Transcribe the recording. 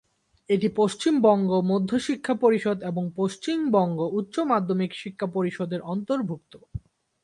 এটি পশ্চিমবঙ্গ মধ্য শিক্ষা পরিষদ এবং পশ্চিমবঙ্গ উচ্চ মাধ্যমিক শিক্ষা পরিষদের অন্তর্ভুক্ত।